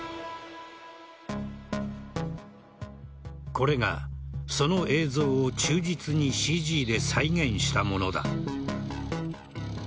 これが、その映像を忠実にＣＧで再現したものだ。